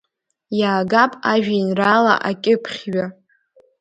Иаагап ажәеинраала акьыԥхьҩы.